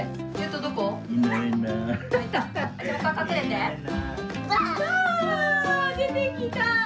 でてきた！